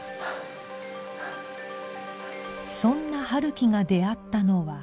そんなハルキが出会ったのは